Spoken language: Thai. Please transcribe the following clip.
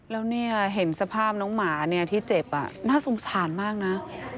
แล้วเนี่ยเห็นสภาพน้องหมาเนี่ยที่เจ็บน่าสงสารมากนะ